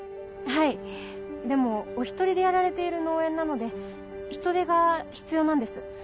はいでもお一人でやられている農園なので人手が必要なんです。